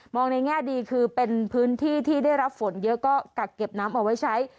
ในแง่ดีคือเป็นพื้นที่ที่ได้รับฝนเยอะก็กักเก็บน้ำเอาไว้ใช้